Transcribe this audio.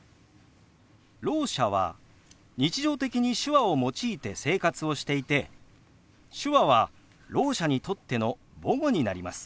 ろう者は日常的に手話を用いて生活をしていて手話はろう者にとっての母語になります。